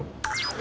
え？